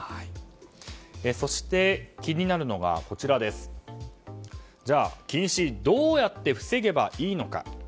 そして、気になるのが、じゃあ近視どうやって防げばいいのか。